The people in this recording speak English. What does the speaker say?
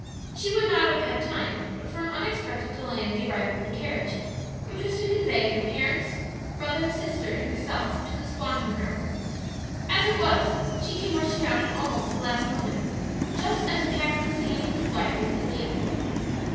She would not have had time but for an unexpected delay in the arrival of the carriage which was to convey her parents, brother and sister and herself to the "squantum" ground. As it was, she came rushing out at almost the last moment, just as the captain was handing his wife into the vehicle.